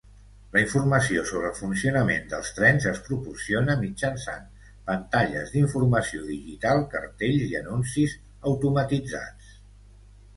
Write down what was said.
La informació sobre el funcionament dels trens es proporciona mitjançant pantalles d'informació digital, cartells i anuncis automatitzats.